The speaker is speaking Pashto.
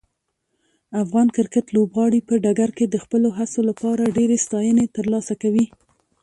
افغان کرکټ لوبغاړي په ډګر کې د خپلو هڅو لپاره ډیرې ستاینې ترلاسه کوي.